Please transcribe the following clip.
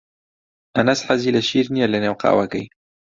ئەنەس حەزی لە شیر نییە لەنێو قاوەکەی.